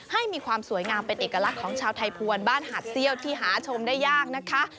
ให้มีความสวยงามเป็นเอกลักษณ์ของชาวไทยภวรบ้านหาดเซี่ยวที่หาชมได้ยากนะคะ